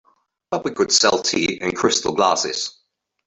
But we could sell tea in crystal glasses.